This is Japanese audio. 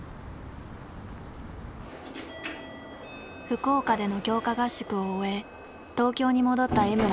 福岡での強化合宿を終え東京に戻った江村。